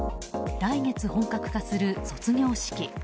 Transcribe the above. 来月、本格化する卒業式。